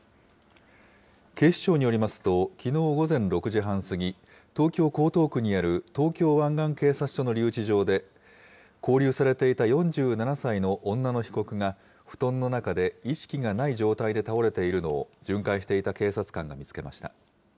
警視庁によりますと、きのう午前６時半過ぎ、東京・江東区にある東京湾岸警察署の留置場で、勾留されていた４７歳の女の被告が、布団の中で意識がない状態で倒れているのを、巡回していた警察官が見つけました。